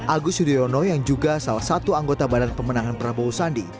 agus yudhoyono yang juga salah satu anggota badan pemenangan prabowo sandi